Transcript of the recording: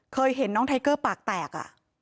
เคยเห็นน้องไทเกอร์ปากแตก